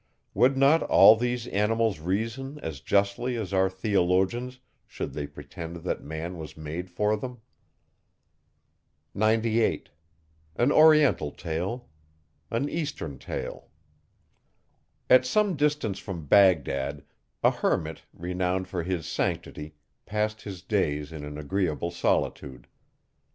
Would not all these animals reason as justly as our theologians, should they pretend that man was made for them? 98. AN EASTERN TALE. At some distance from Bagdad, a hermit, renowned for his sanctity, passed his days in an agreeable solitude.